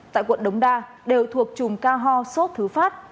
tại quận đống đa đều thuộc chùm ca ho sốt thứ phát